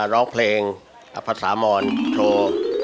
ร้องเพลงภาษามอนโชว์